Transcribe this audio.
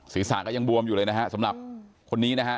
ศีรษะก็ยังบวมอยู่เลยนะฮะสำหรับคนนี้นะฮะ